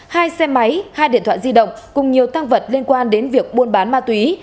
hai xe máy hai điện thoại di động cùng nhiều tăng vật liên quan đến việc buôn bán ma túy